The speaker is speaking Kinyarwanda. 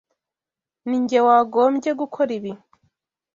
Ninjye wagombye gukora ibi.